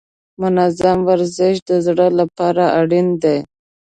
منظم ورزش د زړه لپاره اړین دی.